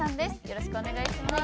よろしくお願いします。